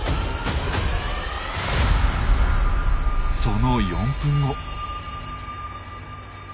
その４分後。